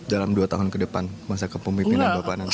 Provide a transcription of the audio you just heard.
dalam dua tahun ke depan masa kepemimpinan bapak nanti